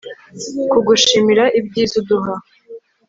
kugushimira, ibyiza uduha